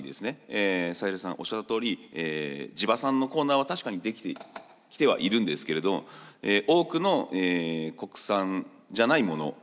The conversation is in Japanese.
サヘルさんおっしゃったとおり地場産のコーナーは確かに出来てきてはいるんですけれど多くの国産じゃないもの